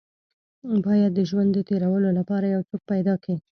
بايد د ژوند د تېرولو لپاره يو څوک پيدا کې.